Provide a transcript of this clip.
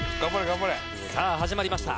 「さあ始まりました」